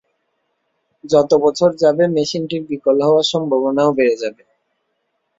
যত বছর যাবে মেশিনটির বিকল হবার সম্ভাবনাও বেড়ে যাবে।